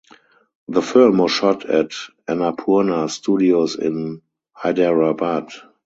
The film was shot at Annapurna Studios in Hyderabad.